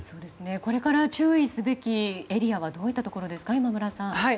これから注意すべきエリアはどういったところですか今村さん。